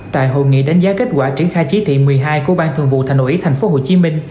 tại hội nghị đánh giá kết quả triển khai chỉ thị một mươi hai của ban thường vụ thành ủy tp hcm